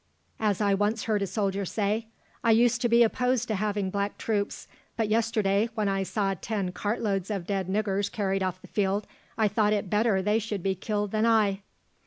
As I once heard a soldier say, "I used to be opposed to having black troops, but yesterday, when I saw ten cart loads of dead niggers carried off the field, I thought it better they should be killed than I."